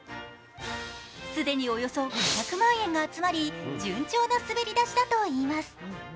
既におよそ５００万円が集まり順調な滑り出しだといいます。